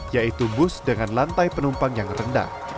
yaitu bus dengan lantai penumpang yang rendah